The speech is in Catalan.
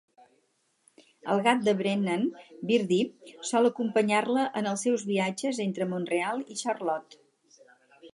El gat de Brennan, Birdie, sol acompanyar-la en els seus viatges entre Mont-real i Charlotte.